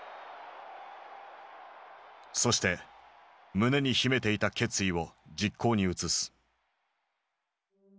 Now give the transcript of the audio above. そして胸に秘めていた決意を実行に移す。